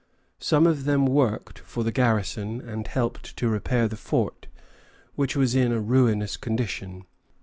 Some of them worked, for the garrison and helped to repair the fort, which was in a ruinous condition.